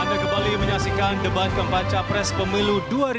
anda kembali menyaksikan debat pembaca pres pemilu dua ribu sembilan belas